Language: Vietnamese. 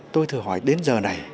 tôi thử hỏi đến giờ này